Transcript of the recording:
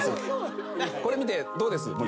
これ見てどうです？